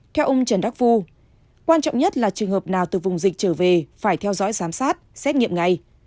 theo ông trần đắc phu quan trọng nhất là trường hợp nào từ vùng dịch trở về phải theo dõi giám sát xét nghiệm ngay